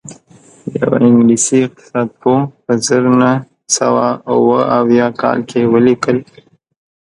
یوه انګلیسي اقتصاد پوه په زر نه سوه اووه اویا کال کې ولیکل